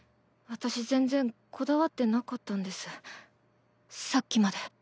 私全然こだわってなかったんですさっきまで。